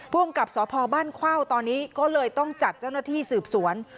ภูมิกับสพบ้านเข้าตอนนี้ก็เลยต้องจัดเจ้าหน้าที่สืบสวน